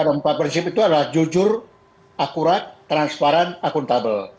empat prinsip itu adalah jujur akurat transparan akuntabel